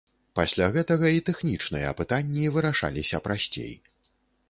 Пасля гэтага і тэхнічныя пытанні вырашаліся прасцей.